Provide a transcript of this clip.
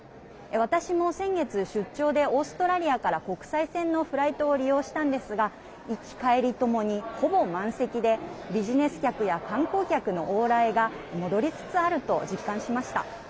私も先月出張でオーストラリアから国際線のフライトを利用したんですが行き帰りともに、ほぼ満席でビジネス客や観光客の往来が戻りつつあると実感しました。